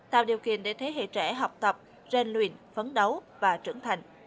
tạo điều kiện để thế hệ trẻ học tập gian luyện phấn đấu và trưởng thành